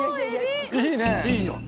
いいね。